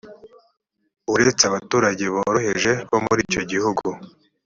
uretse abaturage boroheje g bo muri icyo gihugu